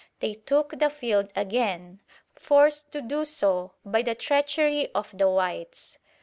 They took the field again, forced to do so by the treachery of the whites.